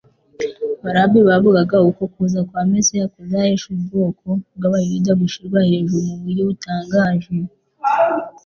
Ba Rabbi bavugaga uko kuza kwa Mesiya kuzahesha ubwoko bw'Abayuda gushyirwa hejuru mu buryo butangaje